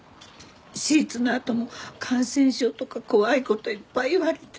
手術のあとも感染症とか怖い事いっぱい言われて。